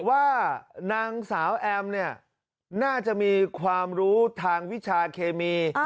ว่านางสาวแอมเนี่ยน่าจะมีความรู้ทางวิชาเคมี